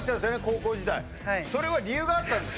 高校時代それは理由があったんです○